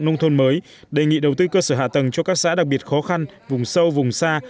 nông thôn mới đề nghị đầu tư cơ sở hạ tầng cho các xã đặc biệt khó khăn vùng sâu vùng xa